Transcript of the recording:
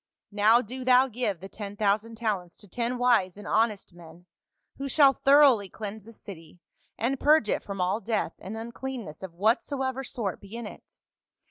Now do thou give the ten thousand talents to ten wise and honest men, who shall thoroughly cleanse the city, and purge it from all death and uncleanness of whatsoever sort be in it.